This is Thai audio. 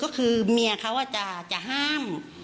ก็คือเมียเขาจะห้าม